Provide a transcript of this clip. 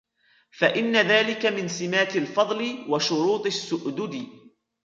فَإِنَّ ذَلِكَ مِنْ سِمَاتِ الْفَضْلِ وَشُرُوطِ السُّؤْدُدِ